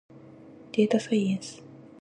でーたさいえんす。